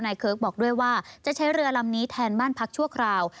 เคิร์กบอกด้วยว่าจะใช้เรือลำนี้แทนบ้านพักชั่วคราว